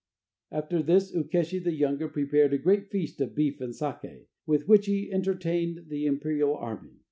After this Ukeshi the younger prepared a great feast of beef and sake, with which he entertained the imperial army.